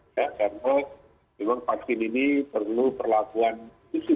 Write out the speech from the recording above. karena memang vaksin ini perlu perlakuan khusus